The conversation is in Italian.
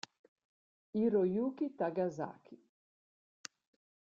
Hiroyuki Takasaki